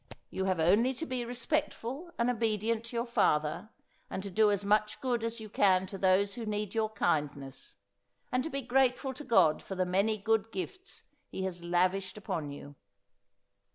' You have only to be respectful and obedient to your father, and to do as much good as you can to those who need your kindness, and to be grateful to God for the many good gifts He has lav ished upon you.'